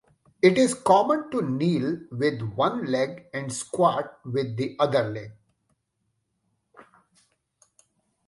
It is common to kneel with one leg and squat with the other leg.